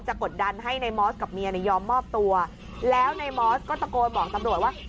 กดดันให้ในมอสกับเมียเนี่ยยอมมอบตัวแล้วในมอสก็ตะโกนบอกตำรวจว่า